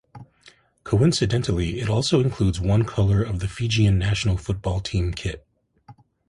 Coincidentally, it also includes one colour of the Fijian national football team kit.